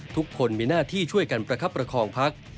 ทุกคนมีหน้าที่ช่วยกันประคับประคองพัก